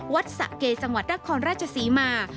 วัดสะเกย์จังหวัดดักครราชสีมา